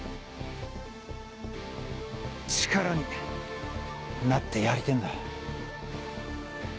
力になってやりてぇんだ。